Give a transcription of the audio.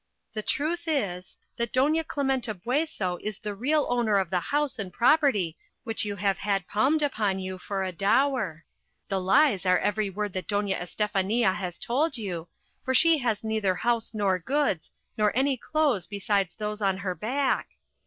The truth is, that Doña Clementa Bueso is the real owner of the house and property which you have had palmed upon you for a dower; the lies are every word that Doña Estefania has told you, for she has neither house nor goods, nor any clothes besides those on her back.